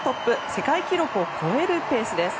世界記録を超えるペースです。